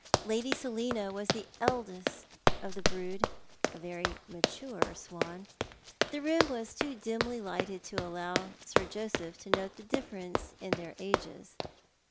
Lady Selina was the eldest of the brood, a very mature swan. The room was too dimly lighted to allow Sir Joseph to note the dilference in their ages.